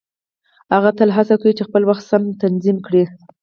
هغه تل هڅه کوي چې خپل وخت سم تنظيم کړي.